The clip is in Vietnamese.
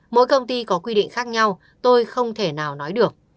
mỗi công ty có quy định khác nhau tôi không thể nào nói được